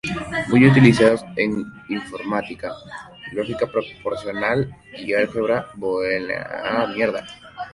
Muy utilizados en Informática, lógica proposicional y álgebra booleana, entre otras disciplinas.